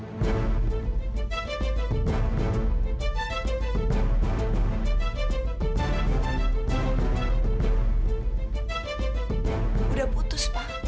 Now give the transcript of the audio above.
sudah putus pak